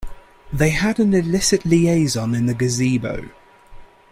They had an illicit liaison in the gazebo.